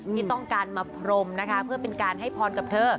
ที่ต้องการมาพรมนะคะเพื่อเป็นการให้พรกับเธอ